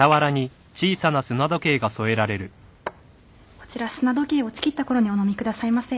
こちら砂時計落ちきったころにお飲みくださいませ。